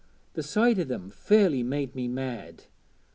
The sight o' them fairly made me mad.